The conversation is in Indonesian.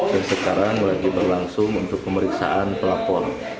sekarang lagi berlangsung untuk pemeriksaan pelapor